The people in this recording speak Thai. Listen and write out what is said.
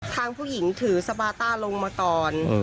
ทางผู้หญิงถือสปาต้าลงมาก่อน